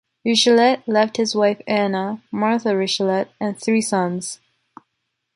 Reichelt left his wife Anna Martha Reichelt and three sons.